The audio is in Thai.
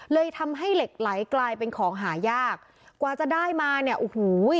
เลยทำให้เหล็กไหลกลายเป็นของหายากกว่าจะได้มาเนี่ยโอ้โห